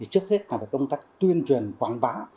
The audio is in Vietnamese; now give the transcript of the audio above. trước hết là công tác tuyên truyền quảng bá